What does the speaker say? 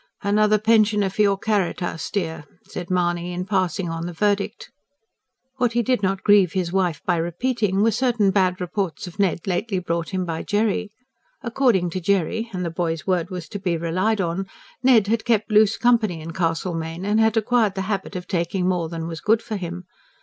"Another pensioner for your CARITAS, dear," said Mahony, in passing on the verdict. What he did not grieve his wife by repeating were certain bad reports of Ned lately brought him by Jerry. According to Jerry and the boy's word was to be relied on Ned had kept loose company in Castlemaine, and had acquired the habit of taking more than was good for him.